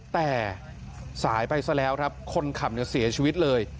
แต่สายไปซะแล้วครับคนขับเนี่ยเสียชีวิตเลย